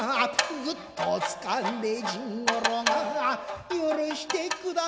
ぐっと掴んで甚五郎が許してください